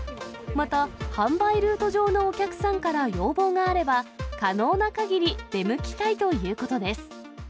また、販売ルート上のお客さんから要望があれば、可能なかぎり出向きたいということです。